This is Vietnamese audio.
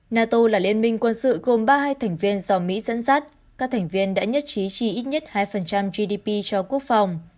nato là liên minh quân sự gồm ba mươi hai thành viên do mỹ dẫn dắt các thành viên đã nhất trí chi ít nhất hai gdp cho quốc phòng